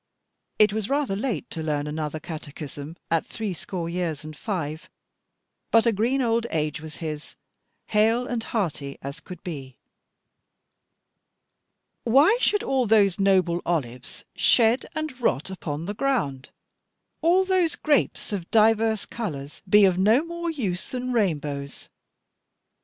It was rather late to learn another catechism, at threescore years and five; but a green old age was his, hale and hearty as could be. "Why should all those noble olives shed, and rot upon the ground, all those grapes of divers colours be of no more use than rainbows?